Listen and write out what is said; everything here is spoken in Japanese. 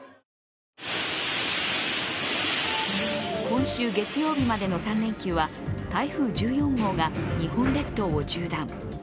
今週月曜日までの３連休は台風１４号が日本列島を縦断。